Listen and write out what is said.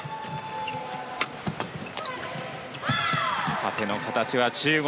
縦の形は中国。